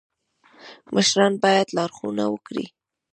مشران باید لارښوونه وکړي